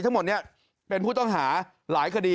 ทั้งหมดนี้เป็นผู้ต้องหาหลายคดี